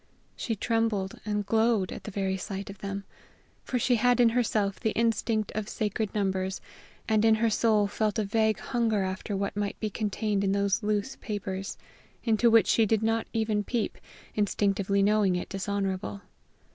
She trembled and glowed at the very sight of them, for she had in herself the instinct of sacred numbers, and in her soul felt a vague hunger after what might be contained in those loose papers into which she did not even peep, instinctively knowing it dishonorable.